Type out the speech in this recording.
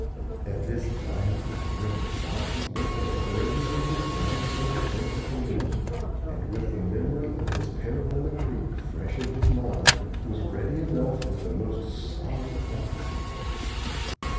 At this direful threat Bobsey looked as grave as his round little face permitted, and, with the memory of his peril in the creek fresh in mind, was ready enough with the most solemn promises.